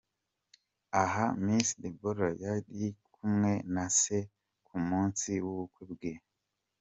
Aha Miss Deborah yari kumwe na se ku munsi w’ubukwe bwe.